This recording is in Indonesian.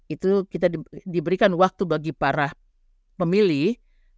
itu kita diberikan waktu bagi para pemilih